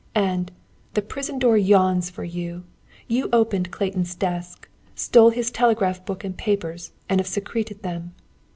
"And, the prison door yawns for you! You opened Clayton's desk, stole his telegraph book and papers, and have secreted them."